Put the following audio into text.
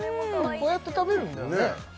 こうやって食べるんだよね？